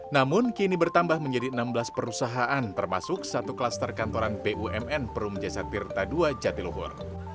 namun kini bertambah menjadi enam belas perusahaan termasuk satu klaster kantoran bumn perum jasa tirta ii jatiluhur